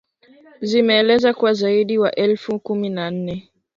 zimeeleza kuwa zaidi ya watu elfu kumi na nne